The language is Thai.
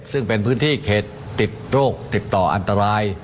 ซึ่งเป็นพื้นที่เขตติดโรคติดต่ออันตราย